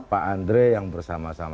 pak andre yang bersama sama